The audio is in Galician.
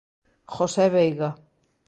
José Veiga.